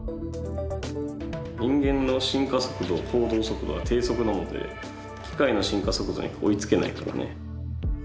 人間の進化速度行動速度は低速なので機械の進化速度に追いつけないからね。